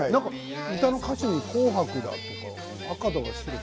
歌の歌詞に「紅白」だとか。